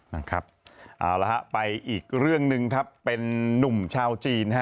นะครับเอาละฮะไปอีกเรื่องหนึ่งครับเป็นนุ่มชาวจีนฮะ